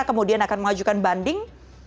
kemudian akan mengajukan banding